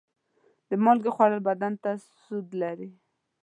د مالګې خوړل بدن ته سوده لري.